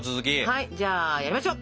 はいじゃあやりましょう。